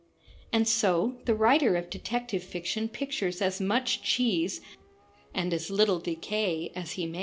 And so, the writer of detective fiction pictures as much cheese and as little decay as he may.